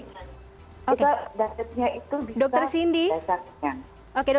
kita dietnya itu bisa kenyang